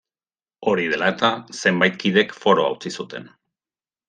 Hori dela eta, zenbait kidek Foroa utzi zuten.